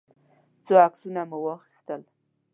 يو څو عکسونه مو واخيستل.